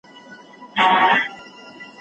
دا د بازانو د شهپر مېنه ده